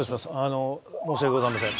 申し訳ございません